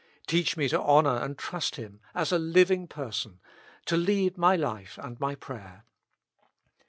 Teach me to honor and trust Him, as a living Person, to lead my life and my prayer.